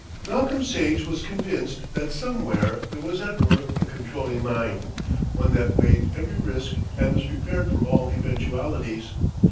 Malcolm Sage was convinced that somewhere there was at work a controlling mind, one that weighed every risk and was prepared for all eventualities.